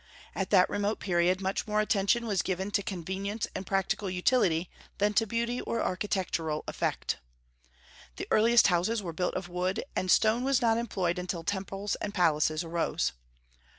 At that remote period much more attention was given to convenience and practical utility than to beauty or architectural effect. The earliest houses were built of wood, and stone was not employed until temples and palaces arose.